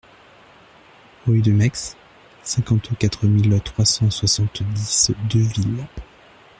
Rue de Maixe, cinquante-quatre mille trois cent soixante-dix Deuxville